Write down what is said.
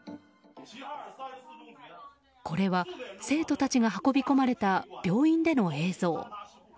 これは生徒たちが運び込まれた病院での映像。